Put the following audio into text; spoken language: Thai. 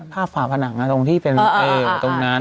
ฝ่าผนังตรงที่เป็นตรงนั้น